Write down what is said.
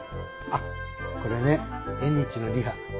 あっこれね縁日のリハ。